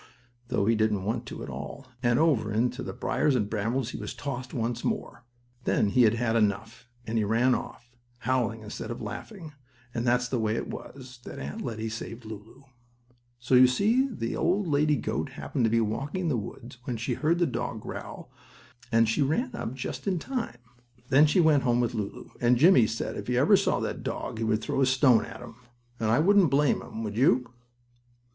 though he didn't want to at all, and over into the briars and brambles he was tossed once more. Then he had had enough, and he ran off, howling instead of laughing, and that's the way it was that Aunt Lettie saved Lulu. You see the old lady goat happened to be walking in the woods, when she heard the dog growl and she ran up just in time. Then she went home with Lulu, and Jimmie said if he ever saw that dog he would throw a stone at him, and I wouldn't blame him, would you?